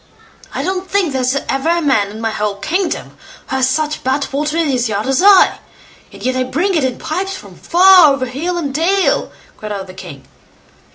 "I don't think there's ever a man in my whole kingdom who has such bad water in his yard as I, and yet I bring it in pipes from far, over hill and dale", cried out the king.